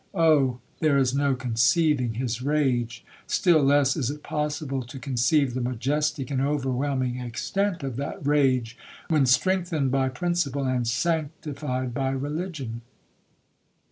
—Oh, there is no conceiving his rage; still less is it possible to conceive the majestic and overwhelming extent of that rage, when strengthened by principle, and sanctified by religion.